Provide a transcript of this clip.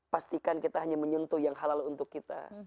pastikan kita hanya menyentuh yang halal untuk kita